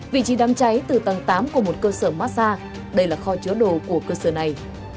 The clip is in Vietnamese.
vị trí đám cháy từ tầng tám của một cơ sở massage đây là kho chứa đồ của cơ sở này